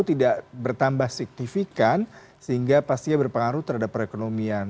tidak bertambah signifikan sehingga pastinya berpengaruh terhadap perekonomian